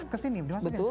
ke sini dimasukkan semua